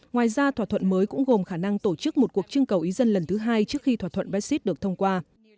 ngoài ra thỏa thuận mới cũng gồm khả năng tổ chức một cuộc trưng cầu ý dân lần thứ hai trước khi thỏa thuận brexit được thông qua